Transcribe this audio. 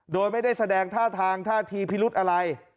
โดยไม่ได้แสดงท่าทางท่าทีพิรุธอะไร